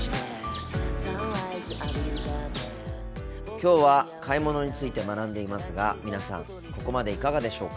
今日は買い物について学んでいますが皆さんここまでいかがでしょうか？